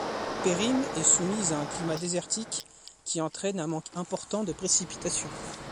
Périm est soumise à un climat désertique qui entraîne un manque important de précipitations.